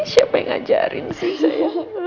siapa yang ngajarin sih saya